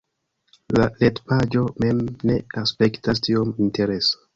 La retpaĝo mem ne aspektas tiom interesa